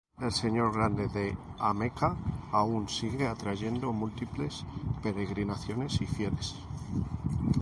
El Señor Grande de Ameca aún sigue atrayendo múltiples peregrinaciones y fieles.